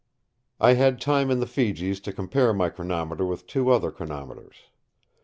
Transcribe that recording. I had time in the Fijis to compare my chronometer with two other chronometers.